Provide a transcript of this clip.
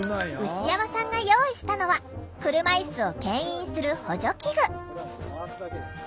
牛山さんが用意したのは車いすをけん引する補助器具。